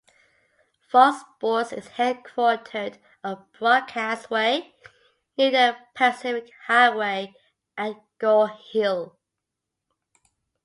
Fox Sports is headquartered on Broadcast Way near the Pacific Highway at Gore Hill.